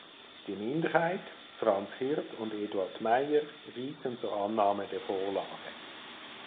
Die Minderheit (Franz Hirt und Eduard Meyer) rieten zur Annahme der Vorlage.